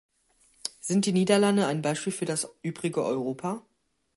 Sind die Niederlande ein Beispiel für das übrige Europa?